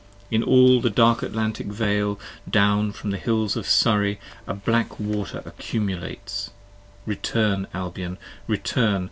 In all the dark Atlantic vale down from the hills of Surrey 10 A black water accumulates, return Albion! return!